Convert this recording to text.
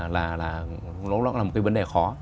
nó cũng là một cái vấn đề khó